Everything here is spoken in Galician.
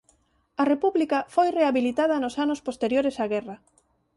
A república foi rehabilitada nos anos posteriores á guerra.